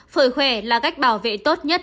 phổi khỏe là cách bảo vệ tốt nhất